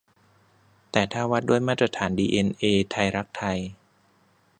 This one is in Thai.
แต่ถ้าวัดด้วยมาตรฐานดีเอ็นเอไทยรักไทย